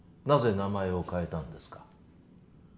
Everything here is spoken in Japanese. なぜ名前を変えたんですか。